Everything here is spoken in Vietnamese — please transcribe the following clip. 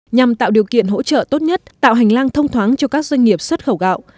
nhằm tạo điều kiện hỗ trợ tốt nhất tạo hành lang thông thoáng cho các doanh nghiệp xuất khẩu gạo